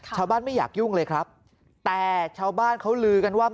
ไม่อยากยุ่งเลยครับแต่ชาวบ้านเขาลือกันว่า